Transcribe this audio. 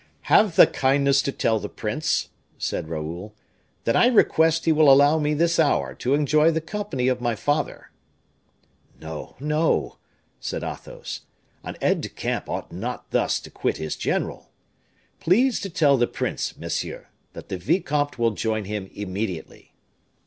"Have the kindness to tell the prince," said Raoul, "that I request he will allow me this hour to enjoy the company of my father." "No, no," said Athos, "an aide de camp ought not thus to quit his general. Please to tell the prince, monsieur, that the vicomte will join him immediately."